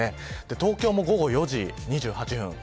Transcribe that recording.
東京も午後４時２８分。